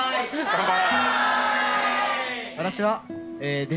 乾杯！